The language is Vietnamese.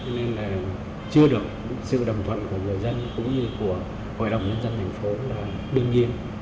nên là chưa được sự đồng thuận của người dân cũng như của hội đồng nhân dân thành phố là đương nhiên